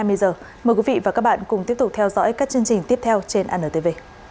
mời quý vị và các bạn cùng tiếp tục theo dõi các chương trình tiếp theo trên antv